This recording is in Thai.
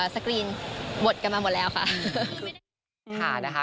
สกรีนบทกันมาหมดแล้วค่ะนะคะ